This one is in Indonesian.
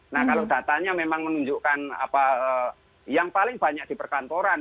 nah kalau datanya memang menunjukkan apa yang paling banyak di perkantoran